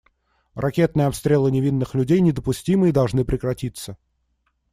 Ракетные обстрелы невинных людей недопустимы и должны прекратиться.